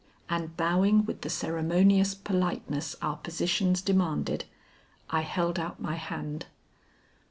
And bowing with the ceremonious politeness our positions demanded, I held out my hand.